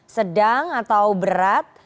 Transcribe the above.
sedang atau berat